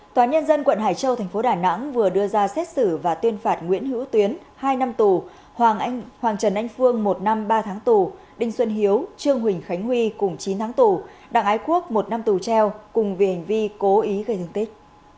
tòa nhân dân quận hải châu thành phố đà nẵng vừa đưa ra xét xử và tuyên phạt nguyễn hữu tuyến hai năm tù hoàng trần anh phương một năm ba tháng tù đinh xuân hiếu trương huỳnh khánh huy cùng chín tháng tù đặng ái quốc một năm tù treo cùng vì hành vi cố ý gây thương tích